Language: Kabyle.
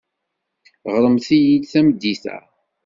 Ɣremt-iyi-d tameddit-a.